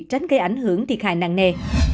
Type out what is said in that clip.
tránh gây ảnh hưởng thiệt hại nặng nề